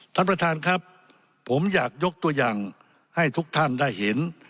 ท่านประธานครับผมอยากยกตัวอย่างให้ทุกท่านได้เห็น